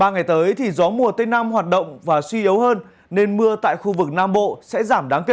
ba ngày tới thì gió mùa tây nam hoạt động và suy yếu hơn nên mưa tại khu vực nam bộ sẽ giảm đáng kể